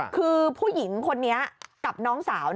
คือผู้หญิงคนนี้กับน้องสาว